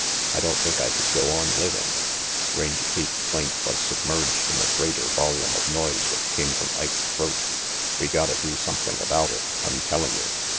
I don't think I could go on living Rangy Pete's plaint was submerged in a greater volume of noise which came from Ike's throat. " We gotta do something about it, I'm telling you.